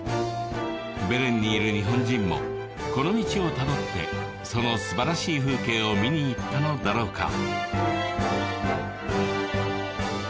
ベレンにいる日本人もこの道をたどってそのすばらしい風景を見にいったのだろうか？